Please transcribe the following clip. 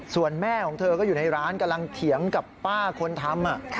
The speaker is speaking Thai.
ส่วนแม่ของเธอก็อยู่ในร้านกำลังเถียงกับป้าคนทำ